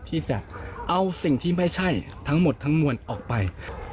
ที่จะเอาสิ่งที่ไม่ใช่ทั้งหมดทั้งมวลออกไป